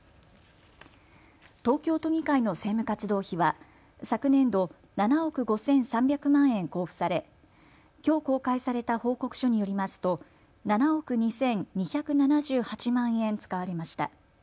東京都議会の政務活動費は昨年度７億５３００万円交付されきょう公開された報告書によりますと７億２２７８万円使われました。